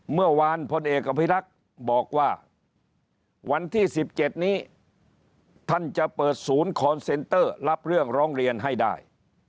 พลเอกอภิรักษ์บอกว่าวันที่๑๗นี้ท่านจะเปิดศูนย์คอนเซนเตอร์รับเรื่องร้องเรียนให้ได้